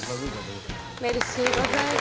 メルシーございます。